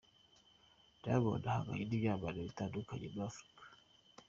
Diamond ahanganye n'ibyamamare bitandukanye muri Afrika.